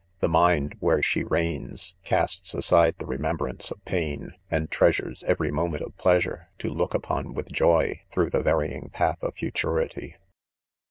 \ ''^feevmind^^'^iiere she seigns, casts aside' the remembrance' of pain> and treasures every .moment of pleasure, 'to look upon with joy, through the varying path of futurity..